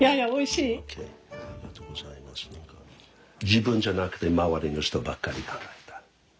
自分じゃなくて周りの人ばっかり考えた。